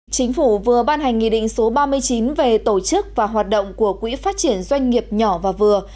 chính phủ vừa ban hành nghị định số ba mươi chín về tổ chức và hoạt động của quỹ phát triển doanh nghiệp nhỏ và vừa